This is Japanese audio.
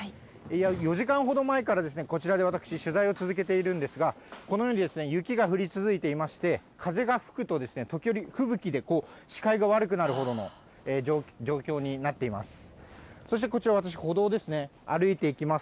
４時間ほど前からこちらで私、取材を続けているんですが、このように雪が降り続いていまして、風が吹くと、時折、吹雪でこう、視界が悪くなるほどの状況になっています。